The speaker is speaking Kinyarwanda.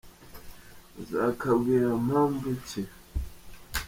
Uzakabwira mpamvu ki